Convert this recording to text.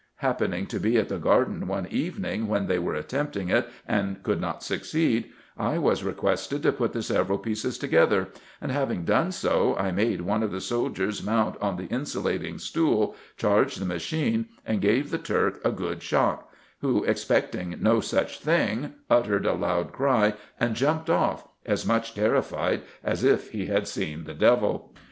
Happening to be at the garden one evening, when they were attempting it, and could not succeed, I was requested to put the several pieces together ; and, having done so, I made one of the sol diers mount on the insulating stool, charged the machine, and gave the Turk a good shock ; who, expecting no such thing, uttered a loud cry, and jumped off, as much terrified as if he had seen the devil.